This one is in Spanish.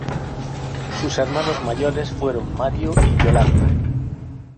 Sus hermanos mayores fueron Mario y Yolanda.